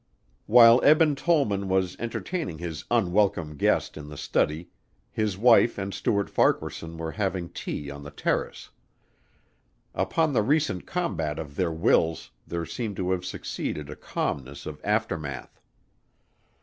While Eben Tollman was entertaining his unwelcome guest in the study his wife and Stuart Farquaharson were having tea on the terrace. Upon the recent combat of their wills there seemed to have succeeded a calmness of aftermath.